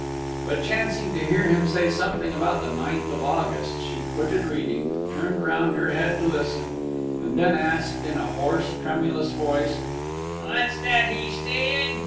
But chancing to hear him say something about the 9th of August, she quitted reading, turned round her head to listen, and then asked, in a hoarse, tremulous voice: "What's that he's saying?